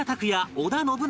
織田信長